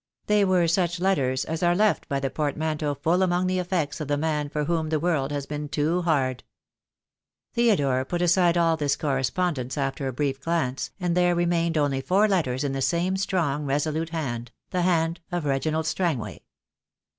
They were such letters as are left by the portmanteau full among the effects of the man for whom the world has been too hard. Theodore put aside all this correspondence after a brief glance, and there remained only four letters in the same strong, resolute hand — the hand of Reginald Strangway.